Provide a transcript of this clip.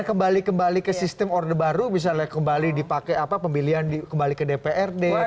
tapi kembali kembali ke sistem order baru misalnya kembali dipakai pemilihan kembali ke dprd